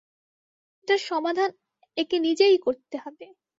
এটার সমাধান একে নিজেই করতে হবে।